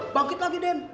bangkit lagi den